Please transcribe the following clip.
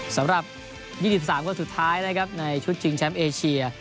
สำหรับ๒๓คนสุดท้ายนะครับในชุดชิงแชมป์เอเชีย